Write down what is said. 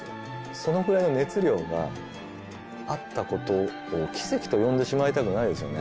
そのぐらいの熱量があったことを「奇跡」と呼んでしまいたくないですよね。